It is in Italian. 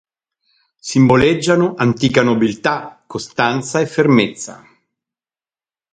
Simboleggiano "antica nobiltà", "costanza" e "fermezza".